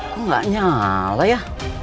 tidak nyala ya